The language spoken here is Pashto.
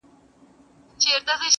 زلمي خوبونو زنګول کیسې به نه ختمېدي؛